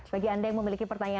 bagi anda yang memiliki pertanyaan